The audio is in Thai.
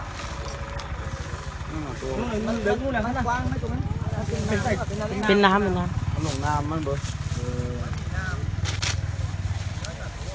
สาโพงที่เกาะศักดิ์อยู่ในที่รุ้นเป็นข้อมูลที่สุดเมื่อที่ผ่านสู่พระมุมศักดิ์ว่ายาว